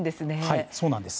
はいそうなんです。